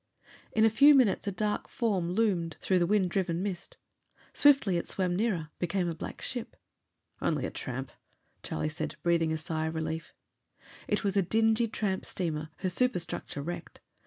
In a few minutes a dark form loomed through the wind riven mist. Swiftly it swam nearer; became a black ship. "Only a tramp," Charlie said, breathing a sigh of relief. It was a dingy tramp steamer, her superstructure wrecked.